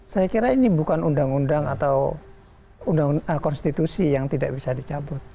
saya kira ini bukan undang undang atau konstitusi yang tidak bisa dicabut